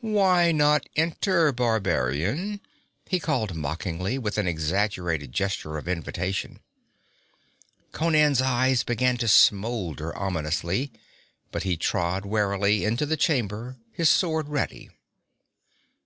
'Why not enter, barbarian?' he called mockingly, with an exaggerated gesture of invitation. Conan's eyes began to smolder ominously, but he trod warily into the chamber, his sword ready.